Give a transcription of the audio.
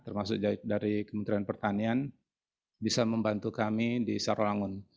termasuk dari kementerian pertanian bisa membantu kami di sarawangun